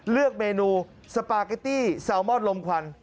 เลือกเมนูสปาเกตตี้แซลมอนลมควัน